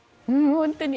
本当に。